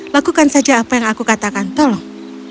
lakukan saja apa yang aku katakan tolong